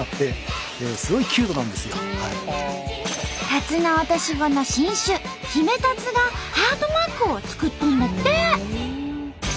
タツノオトシゴの新種「ヒメタツ」がハートマークを作っとんだって！